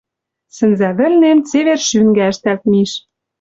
Сӹнзӓ вӹлнем цевер шӱнгӓ ӹштӓлт миш.